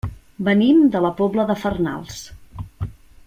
Venim de la Pobla de Farnals.